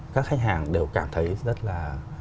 các khách hàng đều cảm thấy rất là